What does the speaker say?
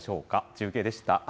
中継でした。